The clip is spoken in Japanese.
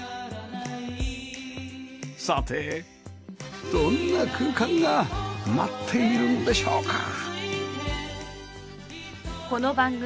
さてどんな空間が待っているんでしょうか？